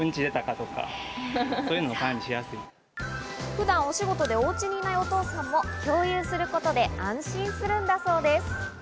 普段、お仕事でお家にいないお父さんも共有することで安心するんだそうです。